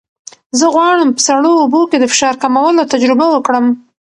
زه غواړم په سړو اوبو کې د فشار کمولو تجربه وکړم.